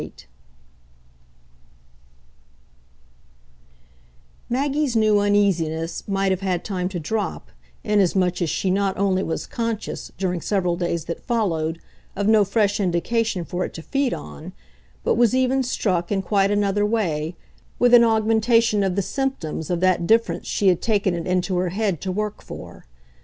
XXVIII Maggie's new uneasiness might have had time to drop, inasmuch as she not only was conscious, during several days that followed, of no fresh indication for it to feed on, but was even struck, in quite another way, with an augmentation of the symptoms of that difference she had taken it into her head to work for.